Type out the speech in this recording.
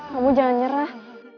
kamu jangan nyerah